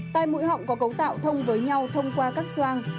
tai mũi họng có cấu tạo thông với nhau thông qua các soang